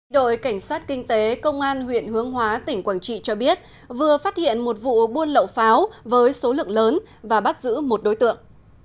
đội cảnh sát kinh tế công an huyện hướng hóa tỉnh quảng trị cho biết vừa phát hiện một vụ buôn lậu pháo với số lượng lớn và bắt giữ một đối tượng